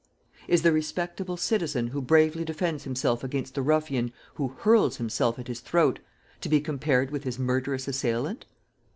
Is the respectable citizen who bravely defends himself against the ruffian who hurls himself at his throat, to be compared with his murderous assailant?